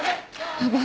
ヤバい